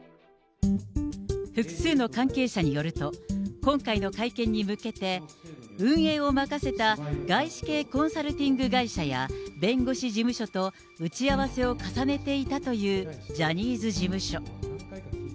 複数の関係者によると、今回の会見に向けて、運営を任せた外資系コンサルティング会社や、弁護士事務所と打ち合わせを重ねていたというジャニーズ事務所。